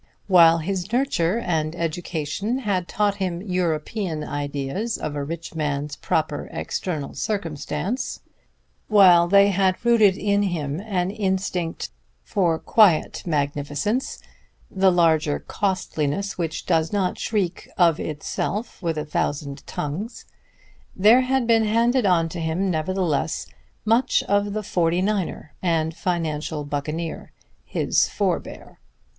While his nurture and education had taught him European ideas of a rich man's proper external circumstance; while they had rooted in him an instinct for quiet magnificence, the larger costliness which does not shriek of itself with a thousand tongues; there had been handed on to him, nevertheless, much of the Forty Niner and financial buccaneer, his forbear.